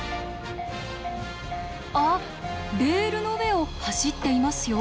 あっレールの上を走っていますよ。